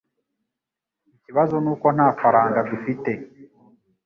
Ikibazo nuko nta faranga dufite.